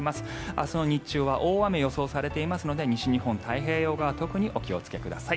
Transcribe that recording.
明日の日中は大雨が予想されていますので西日本、太平洋側特にお気をつけください。